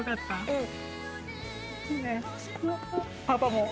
うん。